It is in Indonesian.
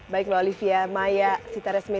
baik mbak olivia maya sita resmi